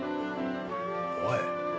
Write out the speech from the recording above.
おい。